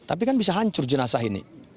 tapi kan bisa hancur jenazah ini